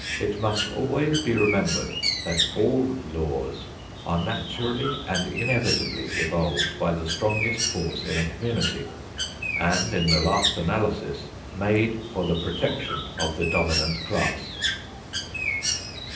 It must always be remembered that all laws are naturally and inevitably evolved by the strongest force in a community, and in the last analysis made for the protection of the dominant class.